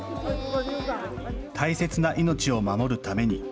大切な命を守るために。